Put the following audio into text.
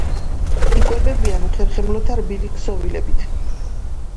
იკვებებიან უხერხემლოთა რბილი ქსოვილებით.